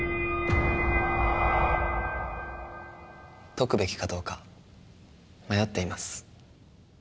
解くべきかどうか迷っています。